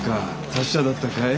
達者だったかい？